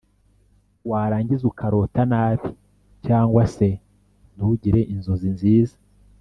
warangiza ukarota nabi cyangwa se ntugire inzozi nziza